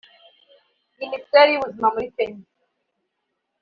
Minisiteri y’Ubuzima muri Kenya